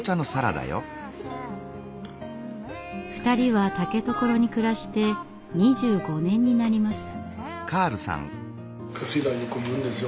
２人は竹所に暮らして２５年になります。